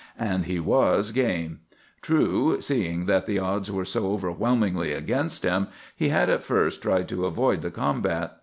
"And he was game. True, seeing that the odds were so overwhelmingly against him, he had at first tried to avoid the combat.